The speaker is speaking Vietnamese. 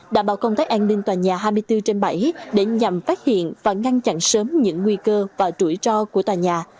đảm bảo công tác an ninh tòa nhà hai mươi bốn trên bảy để nhằm phát hiện và ngăn chặn sớm những nguy cơ và rủi ro của tòa nhà